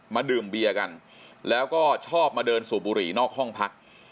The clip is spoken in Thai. ดื่มเบียร์กันแล้วก็ชอบมาเดินสูบบุหรี่นอกห้องพัก